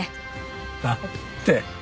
だって。